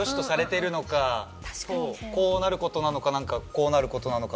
こうなることなのか何かこうなることなのか。